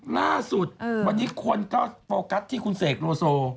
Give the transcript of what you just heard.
ล่าสุดวันนี้คนก็โฟกัสที่คุณเสกโลโซ